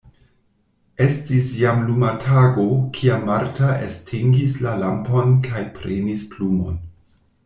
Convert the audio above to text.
Estis jam luma tago, kiam Marta estingis la lampon kaj prenis plumon.